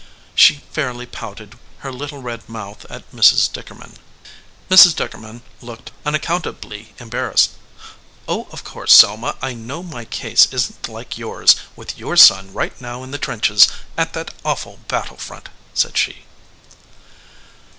She fairly pouted her little red mouth at Mrs. Dickerman. Mrs. Dickerman looked unaccountably emfiar EDGEWATER PEOPLE rassed. "Oh, of course, Selma, I know my case isn t like yours, with your son right now in the trenches at that awful battle front," said she.